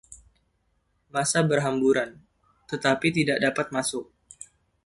Massa berhamburan, tetapi tidak dapat masuk.